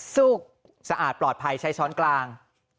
สุกสะอาดปลอดภัยใช้ช้อนกลาง